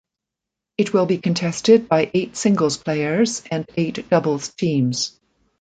It will be contested by eight singles players and eight doubles teams.